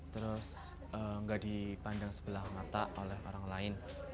terus nggak dipandang sebelah mata oleh orang lain